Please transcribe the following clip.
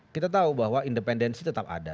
kita tahu bahwa independensi tetap ada